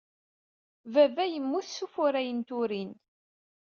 Baba yemmut s ufurray n turin.